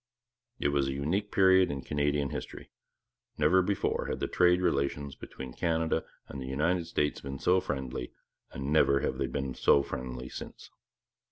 It was a unique period in Canadian history. Never before had the trade relations between Canada and the United States been so friendly, and never have they been so friendly since.